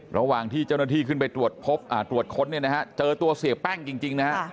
ระหว่างที่เจ้าหน้าที่ขึ้นไปตรวจพบตรวจค้นเนี่ยนะฮะเจอตัวเสียแป้งจริงนะฮะ